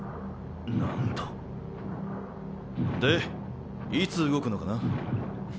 なんとでいつ動くのかな？